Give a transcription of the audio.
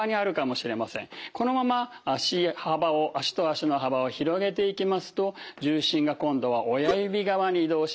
このまま足幅を足と足の幅を広げていきますと重心が今度は親指側に移動します。